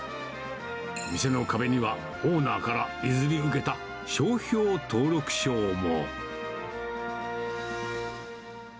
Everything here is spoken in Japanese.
店の壁には、オーナーから譲り受けた商標登録証も。